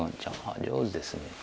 あ上手ですね。